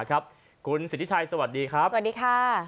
คุณสิทธิชัยสวัสดีครับสวัสดีค่ะ